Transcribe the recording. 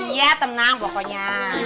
iya tenang pokoknya